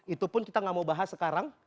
itu pun kita nggak mau bahas sekarang